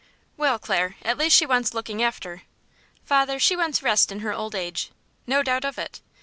"Well, Clare, at least she wants looking after." "Father, she wants rest in her old age." "No doubt of it."